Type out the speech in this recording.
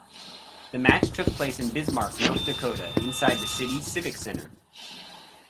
The match took place in Bismarck, North Dakota inside the city's Civic Center.